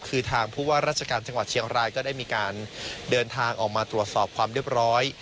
คือทางผู้ว่าราชการจังหวัดเชียงรายก็ได้มีการเดินทางออกมาตรวจสอบความเรียบร้อย